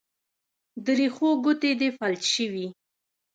د رېښو ګوتې دې فلج شوي